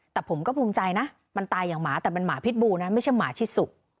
แต่ผมก็ภูมิใจนะมันตายอย่างหมาแต่มันหมาพิษบูนะไม่ใช่หมาชิดสุก